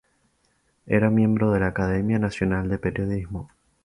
Era miembro de la Academia Nacional de Periodismo.